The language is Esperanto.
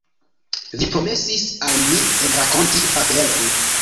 Vi promesis al mi rakonti fabelon.